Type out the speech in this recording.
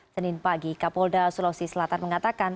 senin pagi kapolda sulawesi selatan mengatakan